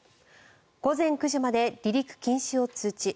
午前９時まで離陸禁止を通知。